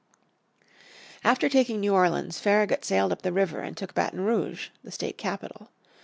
After taking New Orleans Farragut sailed up the river and took Baton Rouge, the state capital.